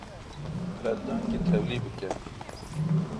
peldankê tevlî bike.